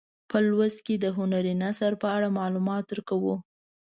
په لوست کې د هنري نثر په اړه معلومات درکوو.